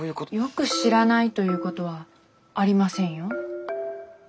よく知らないということはありませんよ。